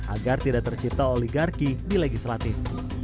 agar tidak tercipta oligarki di legislatif